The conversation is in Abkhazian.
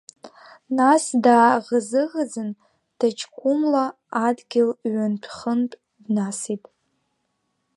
Нас дааӷызыӷызын, ҭаҷкәымла адгьыл ҩынтә-хынтә днасит.